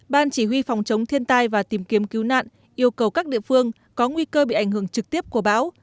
ban chỉ huy phòng chống thiên tai và tìm kiếm cứu nạn yêu cầu các địa phương có nguy cơ bị ảnh hưởng trực tiếp của bão